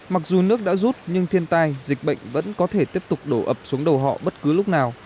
mặc dù nước đã rút nhưng thiên tai dịch bệnh vẫn có thể tiếp tục đổ ập xuống đầu họ bất cứ lúc nào